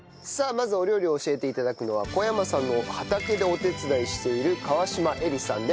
まずお料理を教えて頂くのは小山さんの畑でお手伝いしている川島英里さんです。